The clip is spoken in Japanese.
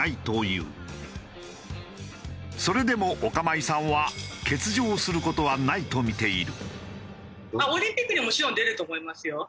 それでもオカマイさんは欠場する事はないとみている。